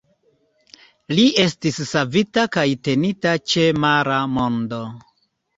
Li estas savita kaj tenita ĉe Mara Mondo.